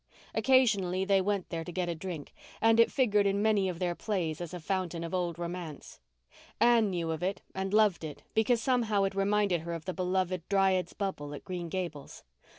Occasionally they went there to get a drink, and it figured in many of their plays as a fountain of old romance. Anne knew of it and loved it because it somehow reminded her of the beloved Dryad's Bubble at Green Gables.